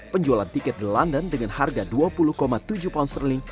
penjualan tiket di london dengan harga dua puluh tujuh pound sterling